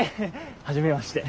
はじめまして。